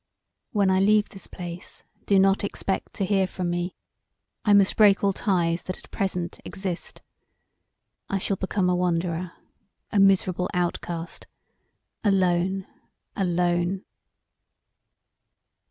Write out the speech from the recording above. When I leave this place do not expect to hear from me: I must break all ties that at present exist. I shall become a wanderer, a miserable outcast alone! alone!"